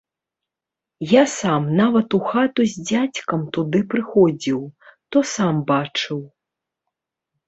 Я сам нават у хату з дзядзькам туды прыходзіў, то сам бачыў.